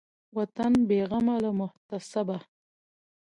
وطن بېغمه له محتسبه